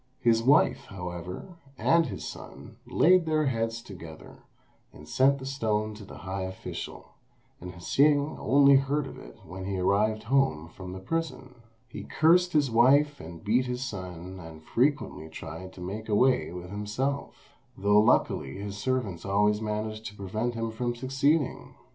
His wife, however, and his son, laid their heads together, and sent the stone to the high official, and Hsing only heard of it when he arrived home from the prison. He cursed his wife and beat his son, and frequently tried to make away with himself, though luckily his servants always managed to prevent him from succeeding.